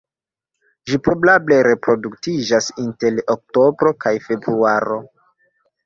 Ĝi probable reproduktiĝas inter oktobro kaj februaro.